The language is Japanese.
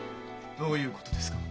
どういうことですか？